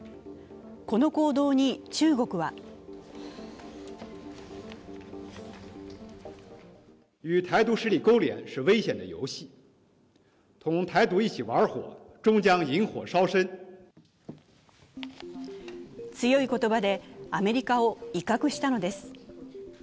この行動に中国は強い言葉でアメリカを威嚇したのです。